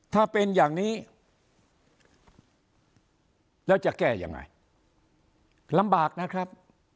ถ้าเป็นอย่างนี้แล้วจะแก้ยังไงลำบากนะครับ